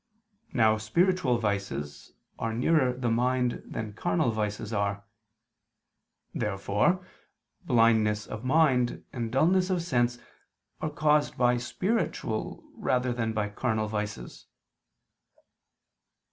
Now spiritual vices are nearer the mind than carnal vices are. Therefore blindness of mind and dulness of sense are caused by spiritual rather than by carnal vices.